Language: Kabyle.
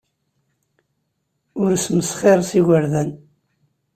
Ur smesxir s yigerdan.